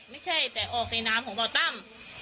ไม่ใช่แต่ออกในน้ำของบ่อตั้ม